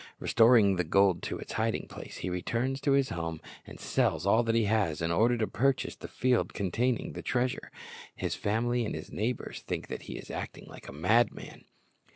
Restoring the gold to its hiding place, he returns to his home and sells all that he has, in order to purchase the field containing the treasure. His family and his neighbors think that he is acting like a madman.